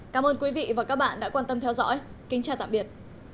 cảm ơn quý vị và các bạn đã quan tâm theo dõi kính chào tạm biệt